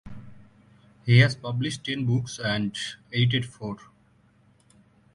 He has published ten books and edited four.